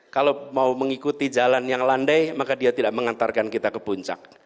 kalau mau mengikuti jalan yang landai maka dia tidak mengantarkan kita ke puncak